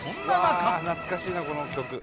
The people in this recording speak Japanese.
うわ懐かしいなこの曲。